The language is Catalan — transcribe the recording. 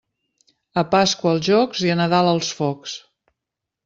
A Pasqua els jocs i a Nadal els focs.